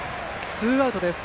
ツーアウトです。